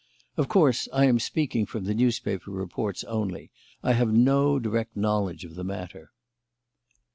Of course, I am speaking from the newspaper reports only; I have no direct knowledge of the matter."